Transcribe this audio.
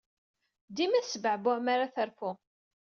Dima tesbeɛbuɛ mi ara terfu.